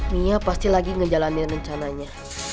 mia pasti lagi ngejalanin rencananya